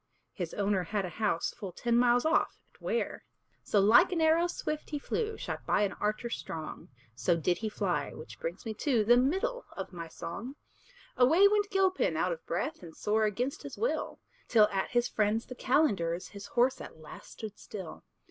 his owner had a house Full ten miles off, at Ware. So like an arrow swift he flew, Shot by an archer strong; So did he fly which brings me to The middle of my song. Away went Gilpin, out of breath, And sore against his will, Till at his friend's the calender's His horse at last stood still.